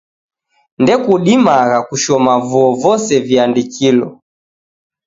Ndekudimagha kushoma vuo vose viandikilo